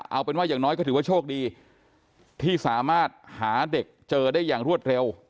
เอาเป็นว่าอย่างน้อยก็ถือว่าโชคดีที่สามารถหาเด็กเจอได้อย่างรวดเร็ว